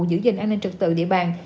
giữ gìn an ninh trật tự địa bàn